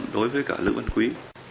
đối với cả lữ văn quý